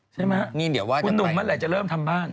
ใช่ไหมคุณหนุ่มเมื่อไหร่จะเริ่มทำบ้าน